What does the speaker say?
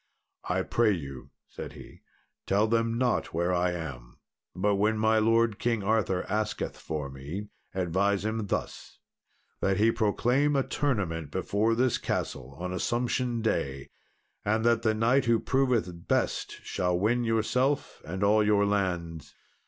"I pray you," said he, "tell them not where I am, but when my lord King Arthur asketh for me, advise him thus that he proclaim a tournament before this castle on Assumption Day, and that the knight who proveth best shall win yourself and all your lands."